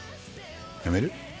やめる？